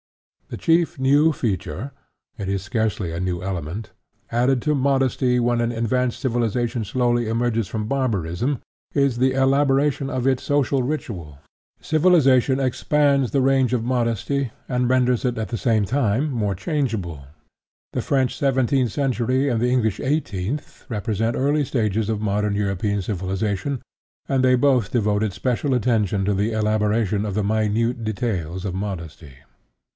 The chief new feature it is scarcely a new element added to modesty when an advanced civilization slowly emerges from barbarism is the elaboration of its social ritual. Civilization expands the range of modesty, and renders it, at the same time, more changeable. The French seventeenth century, and the English eighteenth, represent early stages of modern European civilization, and they both devoted special attention to the elaboration of the minute details of modesty.